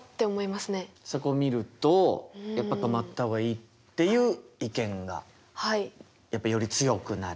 そこを見るとやっぱ止まった方がいいっていう意見がやっぱりより強くなる。